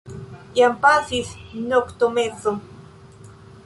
Jam pasis noktomezo.